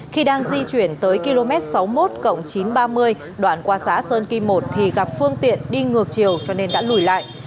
khi đang di chuyển tới km sáu mươi một chín trăm ba mươi đoạn qua xã sơn kim một thì gặp phương tiện đi ngược chiều cho nên đã lùi lại